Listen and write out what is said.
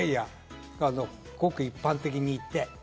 ごく一般的に言って。